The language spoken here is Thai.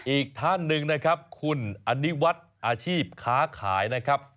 อีกท่านหนึ่งนะครับคุณอนิวัฒน์อาชีพค้าขายนะครับ